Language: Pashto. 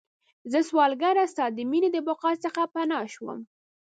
زه سوالګره ستا د میینې، د بقا څخه پناه شوم